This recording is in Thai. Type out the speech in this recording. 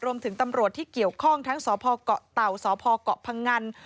ตำรวจที่เกี่ยวข้องทั้งสพเกาะเต่าสพเกาะพังงัน